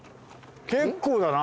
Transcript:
結構だな！